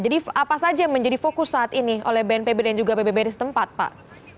jadi apa saja yang menjadi fokus saat ini oleh bnpb dan juga pbb di setempat pak